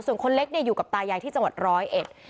ส่วนคนเล็กเนี่ยอยู่กับตายายที่จังหวัดร้อยเอ็ด